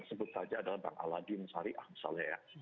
sebut saja adalah bang aladin syariah misalnya ya